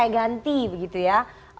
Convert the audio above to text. saya ganti begitu ya